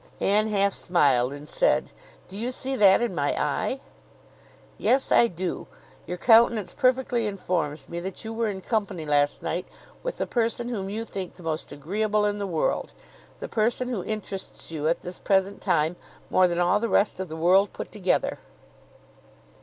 Anne half smiled and said, "Do you see that in my eye?" "Yes, I do. Your countenance perfectly informs me that you were in company last night with the person whom you think the most agreeable in the world, the person who interests you at this present time more than all the rest of the world put together."